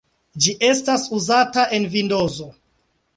Ĝi estas uzata en Vindozo.